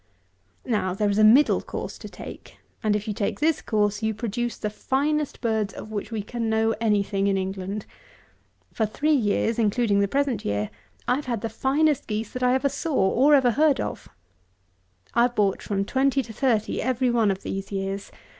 Now, there is a middle course to take; and if you take this course, you produce the finest birds of which we can know any thing in England. For three years, including the present year, I have had the finest geese that I ever saw, or ever heard of. I have bought from twenty to thirty every one of these years.